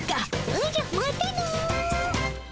おじゃまたの。